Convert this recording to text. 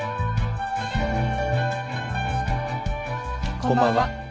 こんばんは。